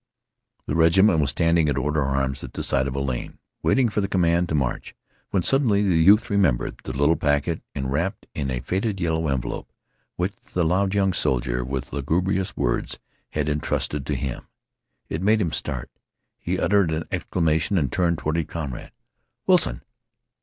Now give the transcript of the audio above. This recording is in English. The regiment was standing at order arms at the side of a lane, waiting for the command to march, when suddenly the youth remembered the little packet enwrapped in a faded yellow envelope which the loud young soldier with lugubrious words had intrusted to him. It made him start. He uttered an exclamation and turned toward his comrade. "Wilson!"